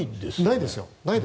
ないですよ。